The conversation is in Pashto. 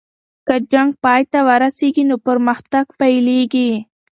که جنګ پای ته ورسیږي نو پرمختګ پیلیږي.